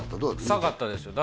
臭かったですよ